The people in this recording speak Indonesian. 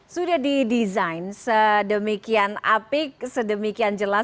sudah didesain sedemikian apik sedemikian jelas